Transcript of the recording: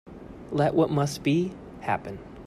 Let what must be, happen.